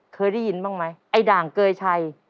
เคยได้ยินบ้างไหมไอ้ด่างเกยชัย